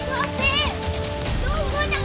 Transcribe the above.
poppy jangan berdiri kagak